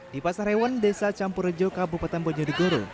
di pasar hewan desa campur rejo kabupaten bonyodegoro